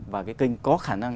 và cái kênh có khả năng